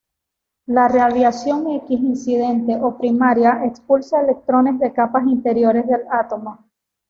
La radiación X incidente o primaria expulsa electrones de capas interiores del átomo.